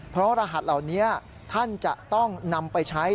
เพราะรหัสเหล่านี้ท่านจะต้องนำไปใช้